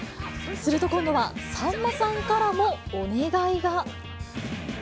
すると今度は、さんまさんからもお願いが。